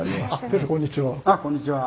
先生こんにちは。